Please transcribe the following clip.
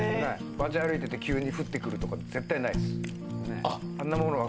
街歩いてて急に降ってくるとか絶対ないっす。